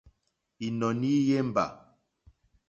Ínɔ̀ní í yémbà.